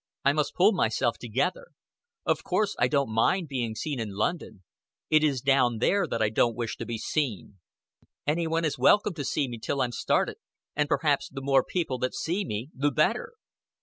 I must pull myself together. Of course I don't mind being seen in London; it is down there that I don't wish to be seen. Anybody is welcome to see me till I'm started, an' perhaps the more people that see me the better."